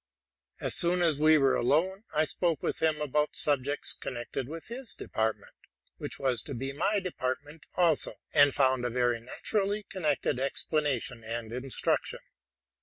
As soon as we were alone, I spoke with him about subjects connected with his department, which was to be my department also, and found a very naturally connected explanation and instruction.